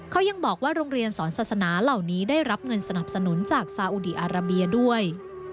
เขายังบอกว่าโรงเรียนสอนศาสนาเหล่านี้ได้รับเงินสนับสนุนจากซาอุดีอาราเบียด้วย